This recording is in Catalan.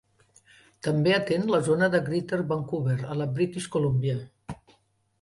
També atén la zona de Greater Vancouver a la British Columbia.